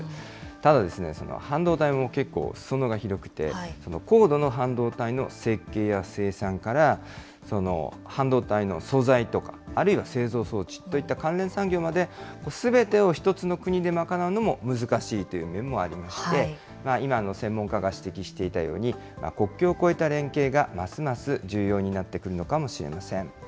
ただですね、半導体も結構、すそ野が広くて、高度の半導体の設計や生産から、半導体の素材とか、あるいは製造装置といった関連産業まですべてを１つの国で賄うのも難しいという面もありまして、今、専門家が指摘していたように、国境を越えた連携がますます重要になってくるのかもしれません。